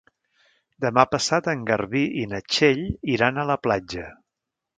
Demà passat en Garbí i na Txell iran a la platja.